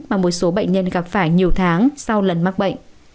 mà một số bệnh nhân gặp phải nhiều tháng sau lần mắc bệnh